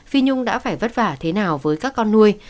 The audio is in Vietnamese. phi nhung đã phải vất vả thế nào với các con nuôi